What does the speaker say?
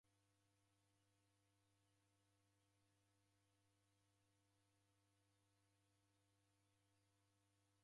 Daw'ida w'aka ni w'ekaiya nyumbenyi na irikonyi.